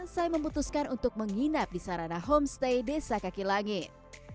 saya memutuskan untuk menginap di sarana homestay desa kaki langit